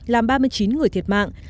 làm ba mươi chín người thiệt mạng